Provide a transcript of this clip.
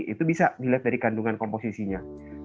itu bisa dilihat dari kandungan komposisinya